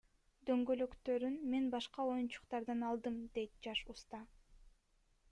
Дөңгөлөктөрүн мен башка оюнчуктардан алдым, — дейт жаш уста.